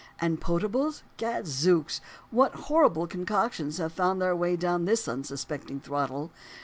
And the potables Gadzooks! What horrible concoctions have found their way down this unsuspecting throttle!